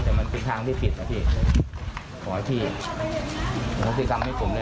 แต่มันเป็นทางที่ผิดพี่ขอให้พี่สิกรรมให้ผมเลยนะ